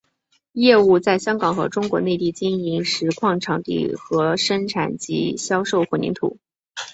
业务在香港和中国内地经营石矿场地和生产及销售混凝土。